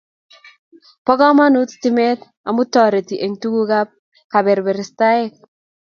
Po kamanut stimet amu toriti eng tukuk ab kabebersataek